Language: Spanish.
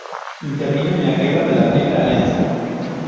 Intervino en la Guerra de la Triple Alianza.